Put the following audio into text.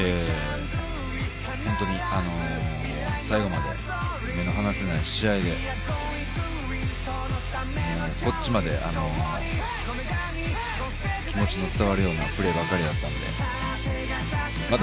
本当に最後まで目の離せない試合でこっちまで気持ちの伝わるようなプレーばっかりだったのでまた